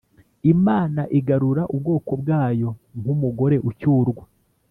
Imana igarura ubwoko bwayo nk umugore ucyurwa